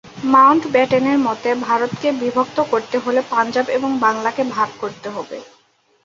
মাউন্টব্যাটেনের মতে, ভারতকে বিভক্ত করতে হলে পাঞ্জাব ও বাংলাকে ভাগ করতে হবে।